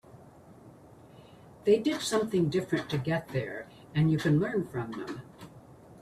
They did something different to get there and you can learn from them.